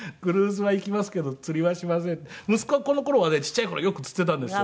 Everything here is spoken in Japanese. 息子はこの頃はねちっちゃい頃よく釣っていたんですよ